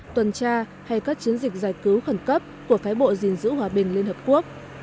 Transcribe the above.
tuần tra hay các chiến dịch giải cứu khẩn cấp của phái bộ gìn giữ hòa bình liên hợp quốc